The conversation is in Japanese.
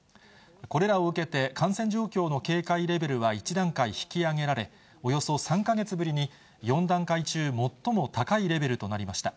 これらを受けて、感染状況の警戒レベルは１段階引き上げられ、およそ３か月ぶりに４段階中、最も高いレベルとなりました。